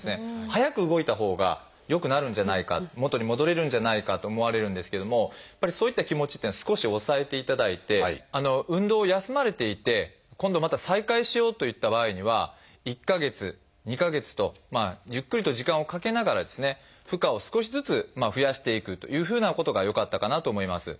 早く動いたほうが良くなるんじゃないか元に戻れるんじゃないかと思われるんですけどもやっぱりそういった気持ちっていうのは少し抑えていただいて運動を休まれていて今度また再開しようといった場合には１か月２か月とゆっくりと時間をかけながらですね負荷を少しずつ増やしていくというふうなことがよかったかなと思います。